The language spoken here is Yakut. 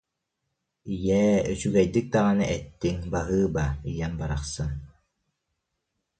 Ийээ, үчүгэйдик даҕаны эттиҥ, баһыыба, ийэм барахсан